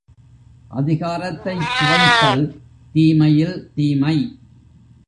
அதிகாரத்தைச் சுவைத்தல் தீமையில் தீமை.